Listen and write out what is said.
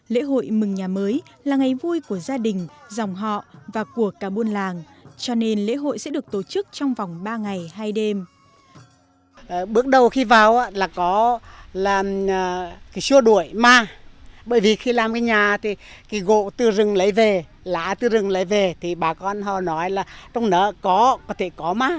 lễ hội mừng nhà mới là ngày vui của gia đình dòng họ và của cả buôn làng cho nên lễ hội sẽ được tổ chức trong vòng ba ngày hai đêm